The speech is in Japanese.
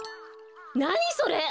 ・なにそれ！